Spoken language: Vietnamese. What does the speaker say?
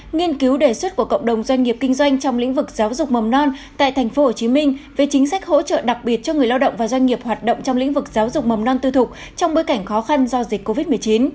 nghiên cứu đề xuất của cộng đồng doanh nghiệp kinh doanh trong lĩnh vực giáo dục mầm non tại tp hcm về chính sách hỗ trợ đặc biệt cho người lao động và doanh nghiệp hoạt động trong lĩnh vực giáo dục mầm non tư thục trong bối cảnh khó khăn do dịch covid một mươi chín